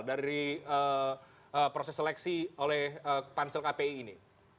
dari proses seleksi oleh pansel kpi ini